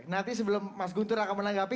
nanti sebelum mas guntur akan menanggapi